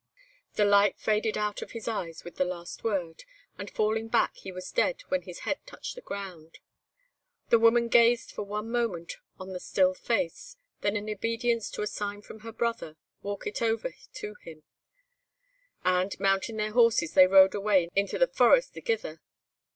The light faded out of his eyes with the last word, and falling back, he was dead when his head touched the ground. The woman gazed for one moment on the still face; then in obedience to a sign from her brother, walkit over to him, and, mounting their horses, they rode away into the forest thegither.